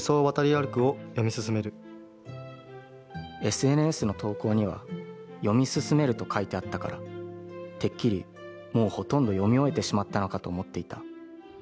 「ＳＮＳの投稿には『読み進める』と書いてあったから、てっきり、もうほとんど読み終えてしまったのかと思っていた」。